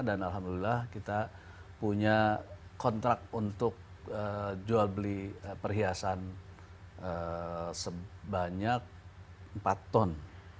dan alhamdulillah kita punya kontrak untuk jual beli perhiasan sebanyak empat ton